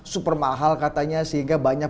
super mahal katanya sehingga banyak